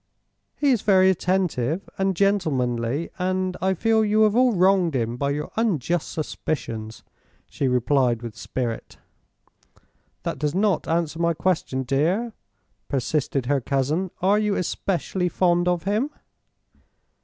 "He is very attentive and gentlemanly, and I feel you have all wronged him by your unjust suspicions," she replied, with spirit. "That does not answer my question, dear," persisted her cousin. "Are you especially fond of him?"